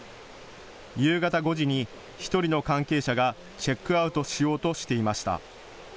夕方５時に１人の関係者がチェックアウトしようとしていました。